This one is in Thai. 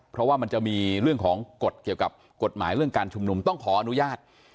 เพราะว่ามันจะมีเรื่องของกฎเกี่ยวกับกฎหมายเรื่องการชุมนุมต้องขออนุญาต